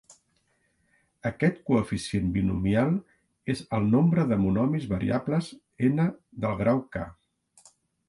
Aquest coeficient binomial és el nombre de monomis variables "n" del grau "k".